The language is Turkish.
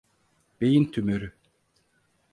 Beyin tümörü.